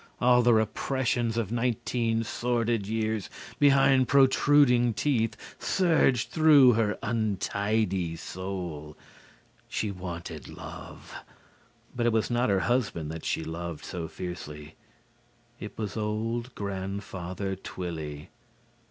All the repressions of nineteen sordid years behind protruding teeth surged through her untidy soul. She wanted love. But it was not her husband that she loved so fiercely. It was old Grandfather Twilly.